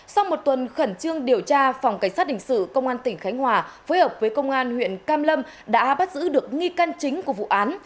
sau một tuần khẩn trương điều tra phòng cảnh sát hình sự công an tỉnh khánh hòa phối hợp với công an huyện cam lâm đã bắt giữ được nghi can chính của vụ án